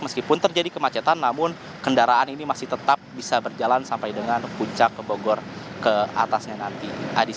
meskipun terjadi kemacetan namun kendaraan ini masih tetap bisa berjalan sampai dengan puncak ke bogor ke atasnya nanti